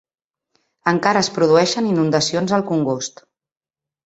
Encara es produeixen inundacions al congost.